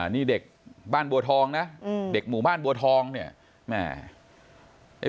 นี่เด็กบ้านบัวทองนะเด็กหมู่บ้านบัวทองเนี่ยแม่